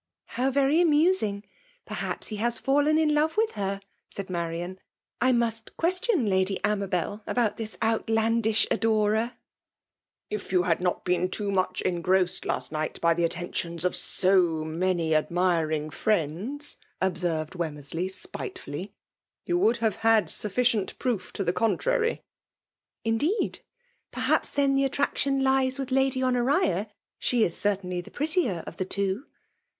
''* How v^ amusing ! Perhaps he has fallen in love with her T' said Maiian. *' I mu^ qaestioa Lady Aiutbel aibout this out* landbh adorer." H 2 148 .I7KMALE DOMlKATiOK. ^' If you had not been too much eogrOBsed last night by the attentions of so many ad* 'miring friends, observed WommeiBky t^tc* fully, ''you would have liad sufficient *^foof to •the contrary." '*' Indeed ! Perhaps, then, tke attractiofi lies with Lady Honoria? She is certamly the "prettier of the two.